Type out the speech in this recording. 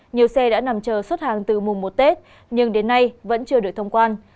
nhiều xe đã nằm chờ xuất hàng từ mùng một tết nhưng đến nay vẫn chưa được thông quan